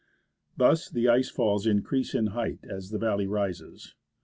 Thus the ice falls increase in height as the valley rises.